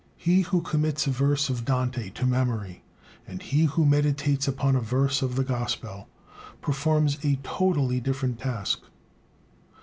He who commits a verse of Dante to memory and he who meditates upon a verse of the gospel, performs a totally different task.